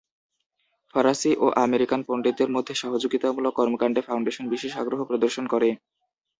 ফরাসি ও আমেরিকান পন্ডিতদের মধ্যে সহযোগিতামূলক কর্মকান্ডে ফাউন্ডেশন বিশেষ আগ্রহ প্রদর্শন করে।